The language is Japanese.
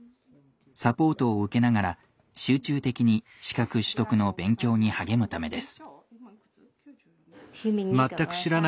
サポートを受けながら集中的に資格取得の勉強に励むためです。